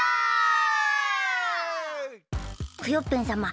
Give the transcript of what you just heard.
クヨッペンさま